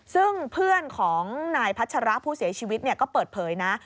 ซึ่งเพื่อนของนายพัชระผู้เสียชีวิตก็เปิดเผยนะ